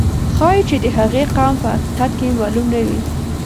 ښایي چې د هغې قوم په حقیقت کې معلوم نه وي.